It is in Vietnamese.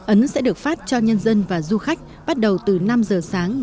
ấn sẽ được phát cho nhân dân và du khách bắt đầu từ năm giờ sáng ngày một mươi năm tháng riêng